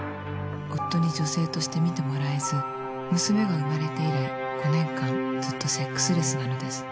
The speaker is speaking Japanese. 「夫に女性として見てもらえず娘が生まれて以来５年間ずっとセックスレスなのです」